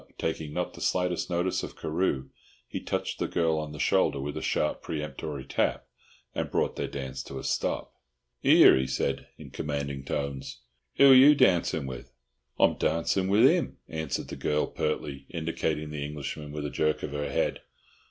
Taking not the slightest notice of Carew, he touched the girl on the shoulder with a sharp peremptory tap, and brought their dance to a stop. "'Ere," he said, in commanding tones. "'Oo are you darncin' with?" "I'm darncin' with 'im," answered the girl, pertly, indicating the Englishman with a jerk of her head.